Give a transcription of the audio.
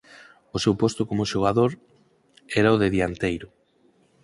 O seu posto como xogador era o de dianteiro.